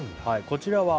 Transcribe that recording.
「こちらは」